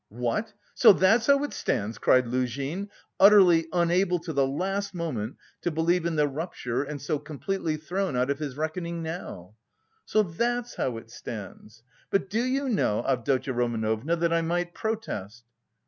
"What! So that's how it stands!" cried Luzhin, utterly unable to the last moment to believe in the rupture and so completely thrown out of his reckoning now. "So that's how it stands! But do you know, Avdotya Romanovna, that I might protest?"